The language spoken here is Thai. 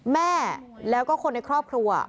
แม่แล้วก็คนในครอบครัว